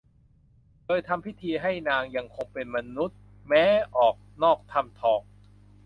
โดยทำพิธีทำให้นางยังคงเป็มมนุษย์แม้ออกนอกถ้ำทอง